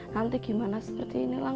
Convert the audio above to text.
nanti gimana seperti inilah